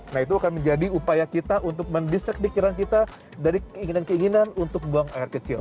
nah itu akan menjadi upaya kita untuk mendistract pikiran kita dari keinginan keinginan untuk buang air kecil